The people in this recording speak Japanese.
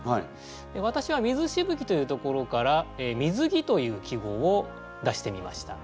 私は水しぶきというところから水着という季語を出してみました。